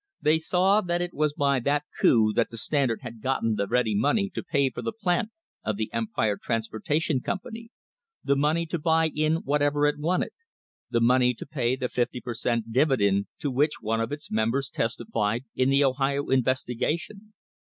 They aw that it was by that coup that the Standard had gotten he ready money to pay for the plant of the Empire Trans THE HISTORY OF THE STANDARD OIL COMPANY portation Company — the money to buy in whatever it wanted — the money to pay the fifty per cent, dividend to which one of its members testified in the Ohio Investigation.